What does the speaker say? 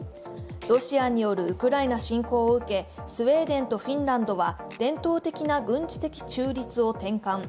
ロシアによるウクライナ侵攻を受け、スウェーデンとフィンランドは伝統的な軍事的中立を転換。